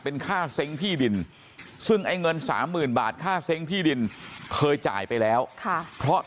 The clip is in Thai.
เป็นค่าเซ้งที่ดินซึ่งไอ้เงินสามหมื่นบาทค่าเซ้งที่ดินเคยจ่ายไปแล้วค่ะเพราะ